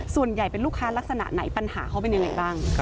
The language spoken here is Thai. ส่วนใหญ่เป็นลูกค้าลักษณะไหนปัญหาเขาเป็นยังไงบ้าง